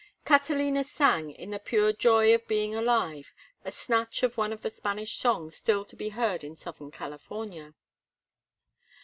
Catalina sang, in the pure joy of being alive, a snatch of one of the Spanish songs still to be heard in Southern California.